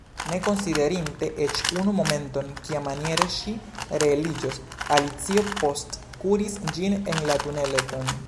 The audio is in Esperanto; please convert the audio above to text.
Ne konsiderinte eĉ unu momenton, kiamaniere ŝi reeliĝos, Alicio postkuris ĝin en la tuneleton.